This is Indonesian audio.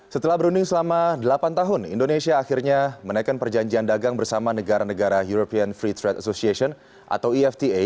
setelah berunding selama delapan tahun indonesia akhirnya menaikkan perjanjian dagang bersama negara negara european free trade association atau efta